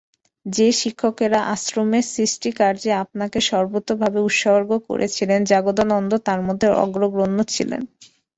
যে শিক্ষকেরা আশ্রমের সৃষ্টিকার্যে আপনাকে সর্বতোভাবে উৎসর্গ করেছিলেন, জগদানন্দ তার মধ্যে অগ্রগণ্য ছিলেন।